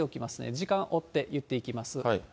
時間追って言っていきます。